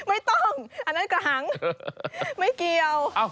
ไม่ต้องอันนั้นกระหังไม่เกี่ยว